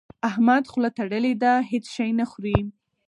احمد خوله تړلې ده؛ هيڅ شی نه خوري.